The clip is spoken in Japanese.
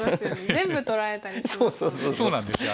全部取られたりしますよね。